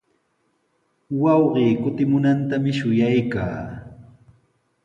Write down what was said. Wawqii kutimunantami shuyaykaa.